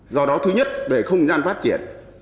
do đó thứ nhất về không gian phát triển